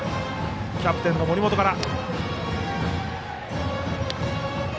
キャプテンの森本から。